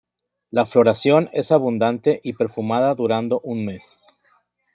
La floración es abundante y perfumada durando un mes.